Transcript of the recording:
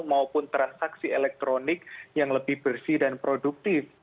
maupun transaksi elektronik yang lebih bersih dan produktif